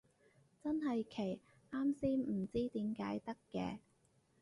真係奇，啱先唔知點解得嘅